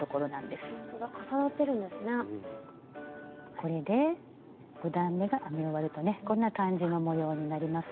これで５段めが編み終わるとねこんな感じの模様になりますよ。